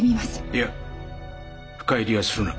いや深入りはするな。